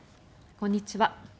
こんにちは。